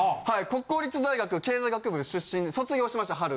国公立大学経済学部出身で卒業しました春。